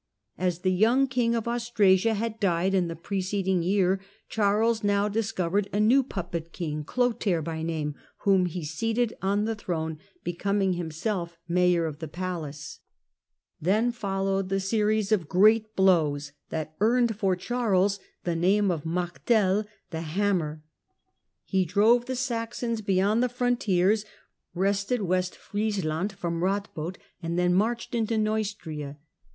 As the young King of Austrasia had died a the preceding year, Charles now discovered a new •uppet king, Clotair by name, whom he seated on the hrone, becoming himself Mayor of the Palace. Then 106 THE DAWN OF MEDIAEVAL EUROPE followed the series of great blows that earned for Charles the name of Martel (the hammer). He drove the Saxons beyond the frontiers, wrested West Fries land from Ratbod, and then marched into Neustria.